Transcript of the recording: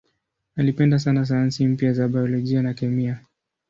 Alipenda sana sayansi mpya za biolojia na kemia.